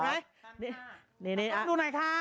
หลอกดูหน่อยคะ